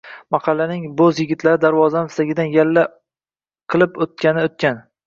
Mahallaning boʼz yigitlari darvozamiz tagidan yalla qilib oʼttani-oʼtgan.